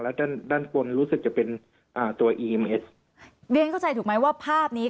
แล้วด้านด้านบนรู้สึกจะเป็นอ่าตัวอีเม็ดเรียนเข้าใจถูกไหมว่าภาพนี้